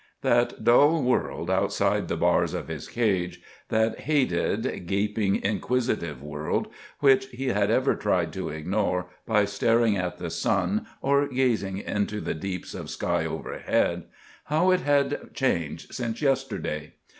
That dull world outside the bars of his cage, that hated, gaping, inquisitive world which he had ever tried to ignore by staring at the sun or gazing into the deeps of sky overhead, how it had changed since yesterday!